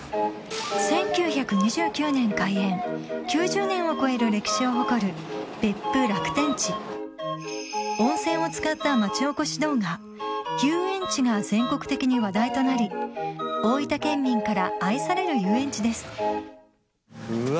１９２９年開園９０年を超える歴史を誇る別府ラクテンチ温泉を使った町おこし動画「湯園地」が全国的に話題となり大分県民から愛される遊園地です